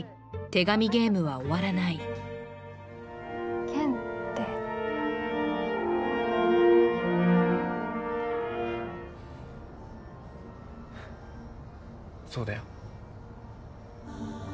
手紙ゲームは終わらない健ってそうだよ